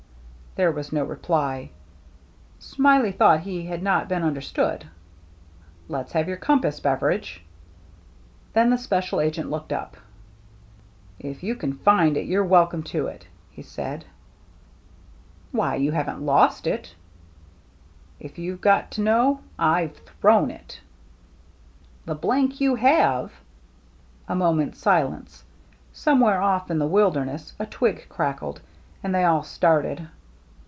There was no reply. Smiley thought he had not been understood. " Let's have your compass, Beveridge." Then the special agent looked up. "If you can find it, you're welcome to it," he said. " Why, you haven't lost it ?"" If you've got to know, I've thrown it." " The you have !" A moment's silence. Somewhere oflF in the wilderness a twig crackled, and they all started.